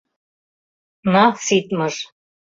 На, ситмыж.